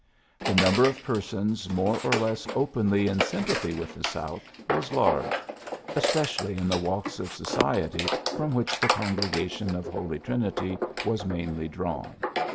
The number of persons more or less openly in sympathy with the South was large, especially in the walks of society from which the con gregation of Holy Trinity was mainly drawn.